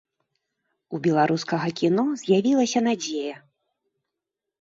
У беларускага кіно з'явілася надзея.